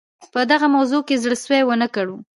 په دغه موضوع کې زړه سوی ونه کړو.